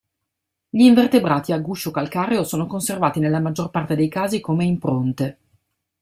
Gli invertebrati a guscio calcareo sono conservati nella maggior parte dei casi come impronte.